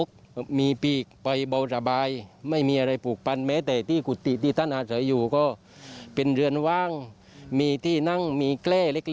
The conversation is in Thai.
แต่ว่าท่านเรียบง่ายมาก